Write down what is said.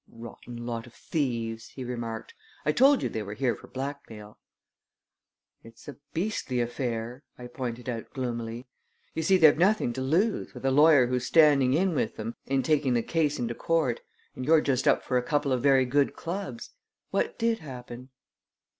"Rotten lot of thieves!" he remarked. "I told you they were here for blackmail." "It's a beastly affair," I pointed out gloomily, "You see, they've nothing to lose, with a lawyer who's standing in with them, in taking the case into court; and you're just up for a couple of very good clubs. What did happen?"